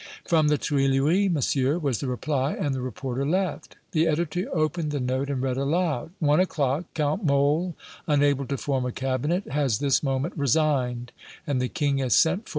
"From the Tuileries, Monsieur," was the reply, and the reporter left. The editor opened the note and read aloud: "One o'clock Count Mole, unable to form a cabinet, has this moment resigned, and the King has sent for M.